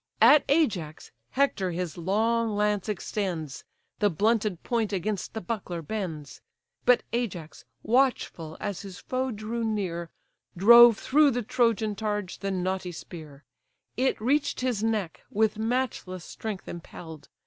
At Ajax, Hector his long lance extends; The blunted point against the buckler bends; But Ajax, watchful as his foe drew near, Drove through the Trojan targe the knotty spear; It reach'd his neck, with matchless strength impell'd!